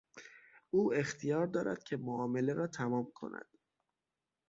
او اختیار دارد که معامله را تمام کند.